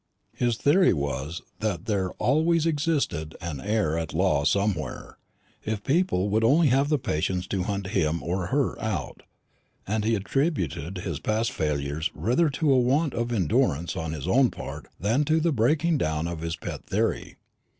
His theory was that there always existed an heir at law somewhere, if people would only have the patience to hunt him or her out; and he attributed his past failures rather to a want of endurance on his own part than to the breaking down of his pet theory.